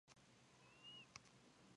尚索尔地区圣博内人口变化图示